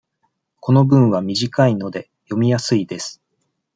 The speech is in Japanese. この文は短いので、読みやすいです。